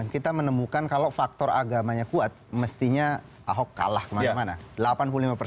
kita menemukan kalau faktor agamanya kuat mestinya ahok kalah kemana mana